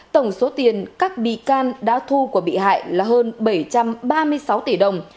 tổng số tiền các bị can đã thu của bị hại là hơn bảy trăm ba mươi sáu tỷ đồng